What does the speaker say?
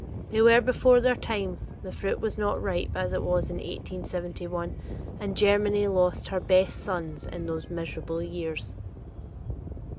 They were before their time; the fruit was not ripe, as it was in 1871, and Germany but lost her best sons in those miserable years."